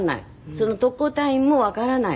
その特攻隊員もわからない。